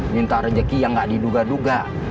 minta rezeki yang gak diduga duga